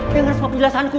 dengar semua penjelasanku ma